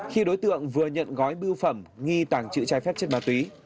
khi đối tượng vừa nhận gói bưu phẩm nghi tàng trữ trái phép chất ma túy